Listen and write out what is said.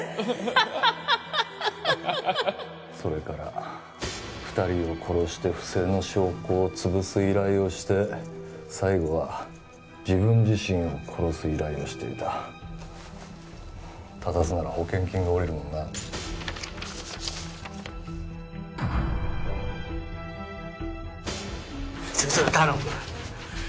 ハハハそれから二人を殺して不正の証拠をつぶす依頼をして最後は自分自身を殺す依頼をしていた他殺なら保険金が下りるもんな頼む！